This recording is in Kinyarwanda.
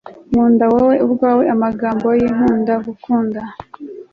kunda wowe ubwawe amagambo yikunda-gukunda